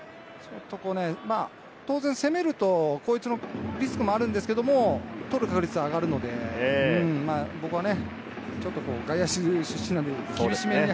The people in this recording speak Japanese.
当然攻めると、後逸のリスクもあるんですけれど、捕る確率が上がるので、僕は外野手出身なので厳しめに。